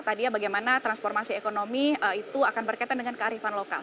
tadi ya bagaimana transformasi ekonomi itu akan berkaitan dengan kearifan lokal